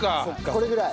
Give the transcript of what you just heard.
これぐらい？